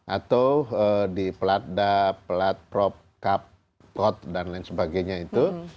atau di platdap platprop kap kot dan lain sebagainya itu